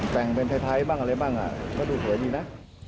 แต่งเป็นไทยบ้างอะไรบ้างก็ดูสวยดีนะ